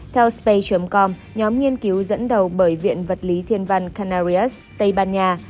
theo space com nhóm nghiên cứu dẫn đầu bởi viện vật lý thiên văn canarius tây ban nha